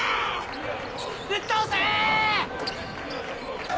ぶっ倒せ！